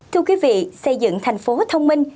thưa quý vị xây dựng thành phố thông minh